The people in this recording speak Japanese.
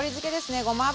ごま油。